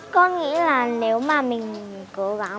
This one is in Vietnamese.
con nghĩ là nếu mà mình cố gắng